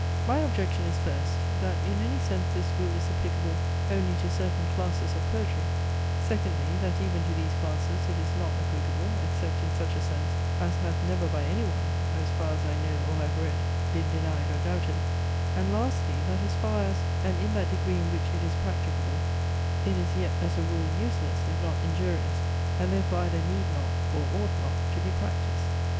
My objection is, first, that in any sense this rule is applicable only to certain classes of poetry; secondly, that even to these classes it is not applicable, except in such a sense, as hath never by any one (as far as I know or have read,) been denied or doubted; and lastly, that as far as, and in that degree in which it is practicable, it is yet as a rule useless, if not injurious, and therefore either need not, or ought not to be practised.